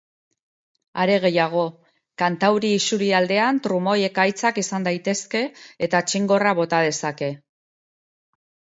Are gehiago, kantauri isurialdean trumoi-ekaitzak izan daitezke eta txingorra bota dezake.